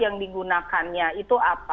yang digunakannya itu apa